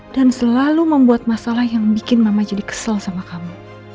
selalu membuat masalah yang bikin mama jadi kesel sama kamu